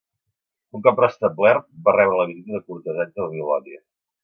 Un cop restablert, va rebre la visita de cortesans de Babilònia.